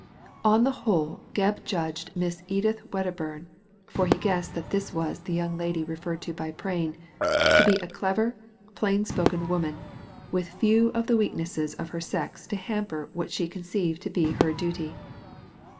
On the whole Gebb judged Miss Edith Wed derburn — for he guessed that this was the young lady referred to by Prain — to be a clever, plain spoken woman, with few of the weaknesses of her sex to hamper what she conceived to be her duty.